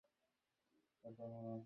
বর এসে গেছে!